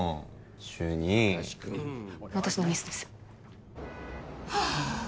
主任私のミスですはあ